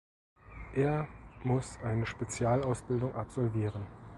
Er muss eine Spezialausbildung absolvieren.